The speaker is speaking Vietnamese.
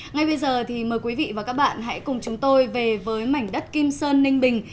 ngay bây giờ thì mời quý vị và các bạn hãy cùng chúng tôi về với mảnh đất kim sơn ninh bình